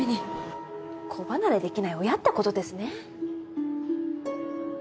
子離れできない親って事ですね。